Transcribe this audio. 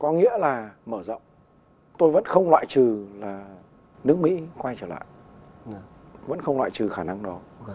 có nghĩa là mở rộng tôi vẫn không loại trừ là nước mỹ quay trở lại vẫn không loại trừ khả năng đó